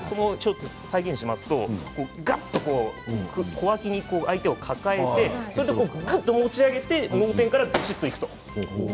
再現しますとがっと小脇に相手を抱えてぐっと持ち上げて脳天から落とす。